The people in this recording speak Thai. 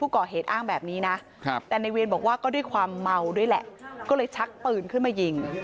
ขึ้นมายิง